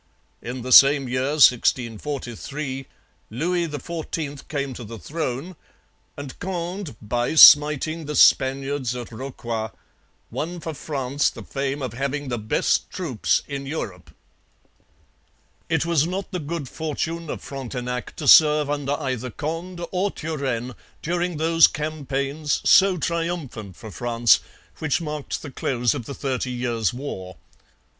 In the same year (1643) Louis XIV came to the throne; and Conde, by smiting the Spaniards at Rocroi, won for France the fame of having the best troops in Europe. It was not the good fortune of Frontenac to serve under either Conde or Turenne during those campaigns, so triumphant for France, which marked the close of the Thirty Years' War.